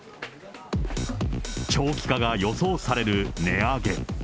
長期化が予想される値上げ。